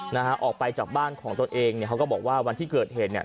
นะฮะออกไปจากบ้านของตัวเองเนี่ยเขาก็บอกว่าวันที่เกิดเหตุเนี่ย